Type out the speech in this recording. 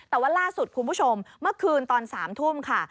แต่ว่าล่าสุดคุณผู้ชมเมื่อคืนตอน๓ทุ่มค่ะ